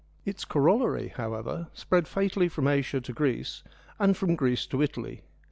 Its corollary, however, spread fatally from Asia to Greece, and from Greece to Italy.